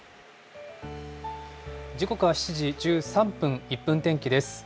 時刻は７時１３分、１分天気です。